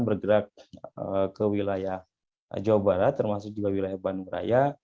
bergerak ke wilayah jawa barat termasuk juga wilayah bandung raya